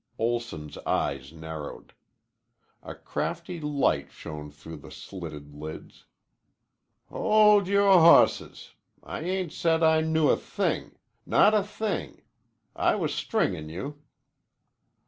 Olson's eyes narrowed. A crafty light shone through the slitted lids. "Hold yore hawsses. I ain't said I knew a thing. Not a thing. I was stringin' you."